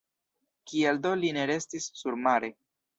Kial do li ne restis surmare!